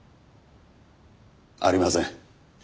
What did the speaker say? ありません。